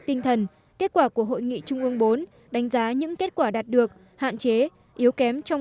tinh thần kết quả của hội nghị trung ương bốn đánh giá những kết quả đạt được hạn chế yếu kém trong